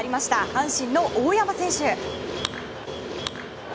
阪神の大山選手。